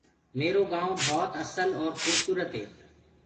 ميرو گائونٚ ڀوت سآڦ اور خوبسورت هي۔